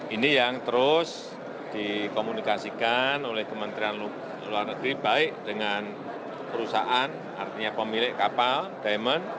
ini yang terus dikomunikasikan oleh kementerian luar negeri baik dengan perusahaan artinya pemilik kapal diamond